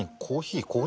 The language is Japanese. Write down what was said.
コーヒー？